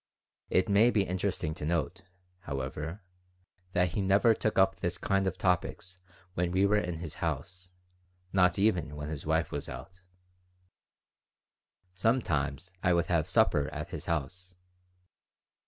It may be interesting to note, however, that he never took up this kind of topics when we were in his house, not even when his wife was out Sometimes I would have supper at his house.